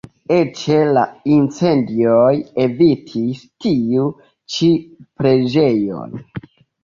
Eĉ la incendioj evitis tiu ĉi preĝejon.